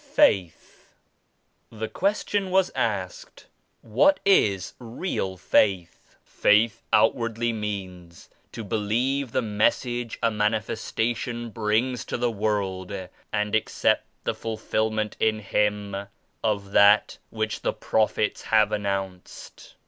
S8 FAITH. The question was asked "What is real Faith?" "Faith outwardly means to believe the Mes sage a Manifestation brings to the world and accept the fulfilment in Him of that which the Prophets have announced.